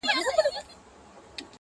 د پښتنو ماحول دی دلته تهمتوته ډېر دي-